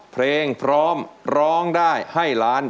เพลงพร้อมร้องได้ให้ล้าน